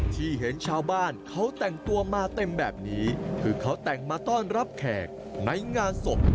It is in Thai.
ที่เห็นชาวบ้านเขาแต่งตัวมาเต็มแบบนี้คือเขาแต่งมาต้อนรับแขกในงานศพ